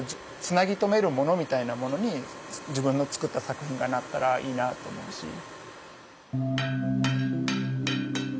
つなぎ止めるものみたいなものに自分の作った作品がなったらいいなと思うし。